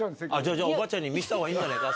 じゃあおばあちゃんに見せたほうがいいんじゃねえか。